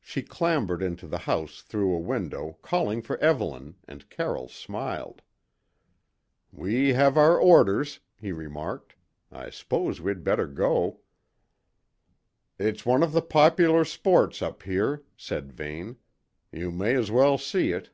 She clambered into the house through a window, calling for Evelyn, and Carroll smiled. "We have our orders," he remarked. "I suppose we'd better go." "It's one of the popular sports up here," said Vane. "You may as well see it."